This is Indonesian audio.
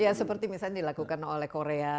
ya seperti misalnya dilakukan oleh korea